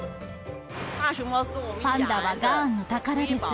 パンダは雅安の宝です。